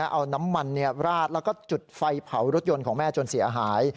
เอาน้ำมันราดแล้วก็จุดไฟเผารถยนต์ของแม่จนเสียหาย